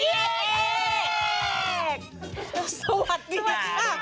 สวัสดีค่ะสวัสดีค่ะ